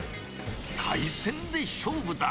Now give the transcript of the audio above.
海鮮で勝負だ。